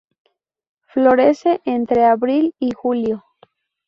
Florece entre abril y julio.